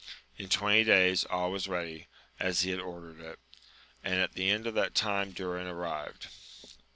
In twenty days all was ready, as he had ordered it, and at the end of that time Durin arrived.